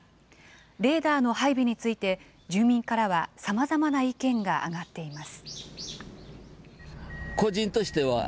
レーダーの配備について、住民からはさまざまな意見が上がっています。